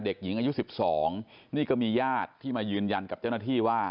เด็กหญิงอายุ๑๒นี่ก็มีญาติที่มายืนยันกับเจ้าหน้าที่ว่า